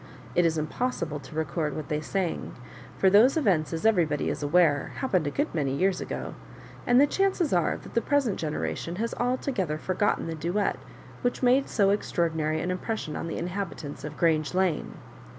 It is impossible to record what they sang, for those events, as everybody is aware, happened a good many years ago, and the chances are that the present generation has altogether forgotten the duet which made so extraordinaiy an impression on the inhabitants of Grange Lane.